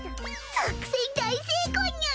作戦大成功にゅい！